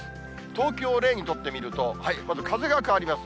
東京を例に取って見ると、まず風が変わります。